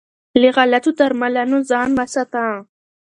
له غلطو درملنو ځان وساته.